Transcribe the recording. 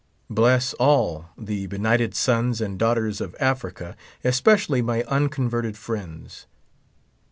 Bless all the benighted sons and daughters of Africa, especially my unconverted friends.